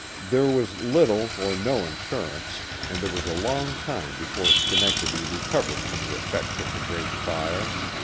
There was little, or no insurance, and it was a long time before Schenectady re covered from the' effects of the great fire.